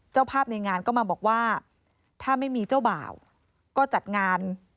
เจ้าภาพในงานก็มาบอกว่าถ้าไม่มีเจ้าบ่าวก็จัดงาน